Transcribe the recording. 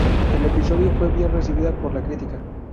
El episodio fue bien recibido por la crítica.